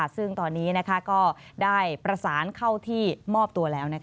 ซึ่งตอนนี้ก็ได้ประสานเข้าที่มอบตัวแล้ว